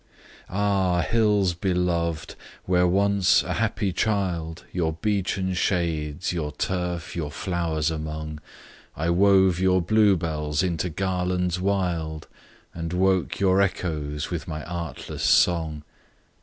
AH! hills beloved! where once, a happy child, Your beechen shades, 'your turf, your flowers among,' I wove your blue bells into garlands wild, And woke your echoes with my artless song.